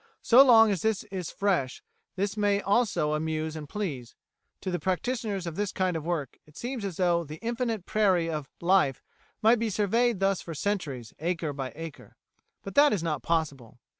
So long as this is fresh, this also may amuse and please; to the practitioners of this kind of work it seems as though the infinite prairie of life might be surveyed thus for centuries acre by acre. But that is not possible.